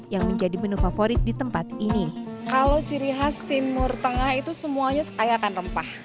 yang menjadi menu favorit di tempat ini kalau ciri khas timur tengah itu semuanya kayakan rempah